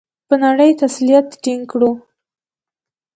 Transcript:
په نړۍ تسلط ټینګ کړو؟